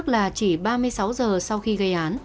là bảo dây